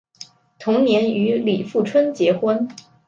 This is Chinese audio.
同年与李富春结婚。